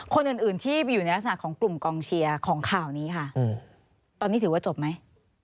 คนอื่นอื่นที่อยู่ในลักษณะของกลุ่มกองเชียร์ของข่าวนี้ค่ะตอนนี้ถือว่าจบไหม